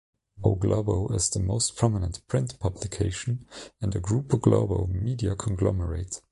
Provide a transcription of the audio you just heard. "O Globo" is the most prominent print publication in the Grupo Globo media conglomerate.